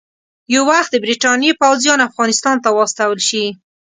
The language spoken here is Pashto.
یو وخت د برټانیې پوځیان افغانستان ته واستول شي.